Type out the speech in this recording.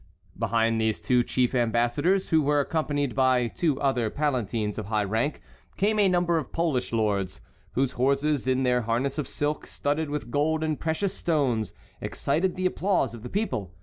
Behind these two chief ambassadors, who were accompanied by two other palatines of high rank, came a number of Polish lords, whose horses in their harness of silk, studded with gold and precious stones, excited the applause of the people.